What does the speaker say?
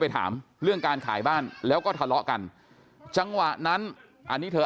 ถามเรื่องการขายบ้านแล้วก็ทะเลาะกันจังหวะนั้นอันนี้เธอ